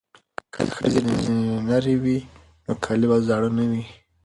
که ښځې ډیزاینرې وي نو کالي به زاړه نه وي.